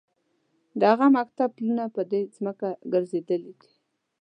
د هغه مکتب پلونه پر دې ځمکه ګرځېدلي دي.